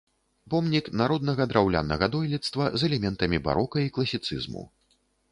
Помнік народнага драўлянага дойлідства з элементамі барока і класіцызму.